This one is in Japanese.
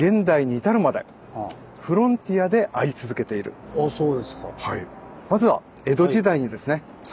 実はああそうですか。